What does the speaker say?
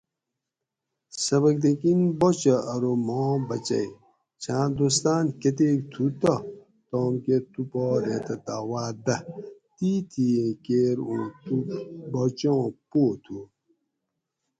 سبکتگین باچہ ارو ماۤں بچئ چھاۤں دوستان کتیک تھو تہ تام کہ تو پا ریتہ داعوات دہ تیتھیں کیر اوں تو باچہ آں پو تھو